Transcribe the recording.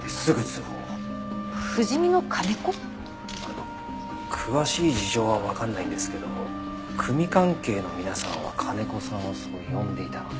あっ詳しい事情はわかんないんですけど組関係の皆さんは金子さんをそう呼んでいたので。